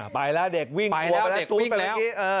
ไปแล้วเด็กวิ่งกลัวไปแล้วจุ๊ดไปเมื่อกี้